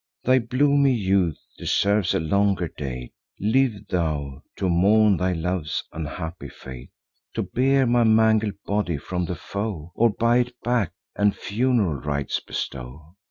Thy bloomy youth deserves a longer date: Live thou to mourn thy love's unhappy fate; To bear my mangled body from the foe, Or buy it back, and fun'ral rites bestow.